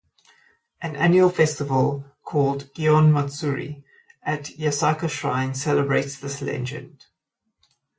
An annual festival, called "Gion Matsuri", at Yasaka Shrine celebrates this legend.